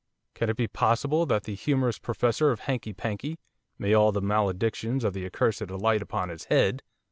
Can it be possible that that humorous professor of hankey pankey may all the maledictions of the accursed alight upon his head!